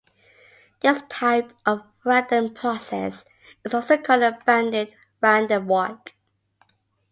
This type of random process is also called a bounded random walk.